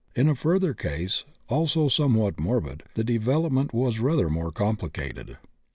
In a further case, also somewhat morbid, the development was rather more complicated.